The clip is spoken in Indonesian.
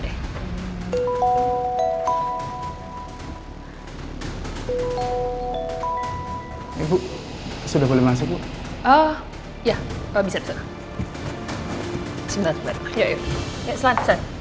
ibu sudah boleh masuk ya bisa bisa